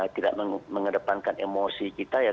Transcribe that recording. tidak mengedepankan emosi kita ya